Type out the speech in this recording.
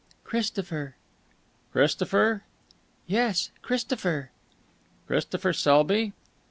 "Christopher." "Christopher?" "Yes, Christopher." "Christopher Selby?